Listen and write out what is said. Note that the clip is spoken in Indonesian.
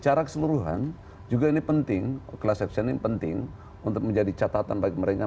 secara keseluruhan juga ini penting class action ini penting untuk menjadi catatan bagi mereka